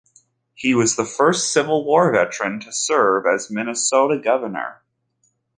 He was the first Civil War veteran to serve as Minnesota Governor.